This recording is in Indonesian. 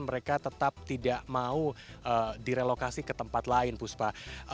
mereka tetap tidak mau direlokasi ke tempat lain puspa